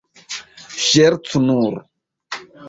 Ŝercu nur!